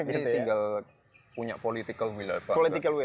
dia tinggal punya political will